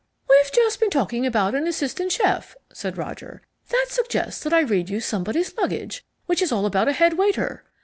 "We've just been talking about an assistant chef," said Roger; "that suggests that I read you Somebody's Luggage, which is all about a head waiter.